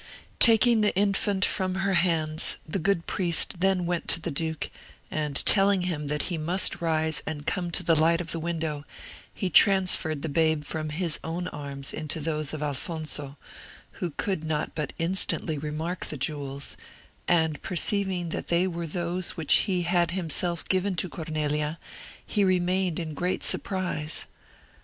Taking the infant from her hands, the good priest then went to the duke, and telling him that he must rise and come to the light of the window, he transferred the babe from his own arms into those of Alfonso, who could not but instantly remark the jewels; and perceiving that they were those which he had himself given to Cornelia, he remained in great surprise.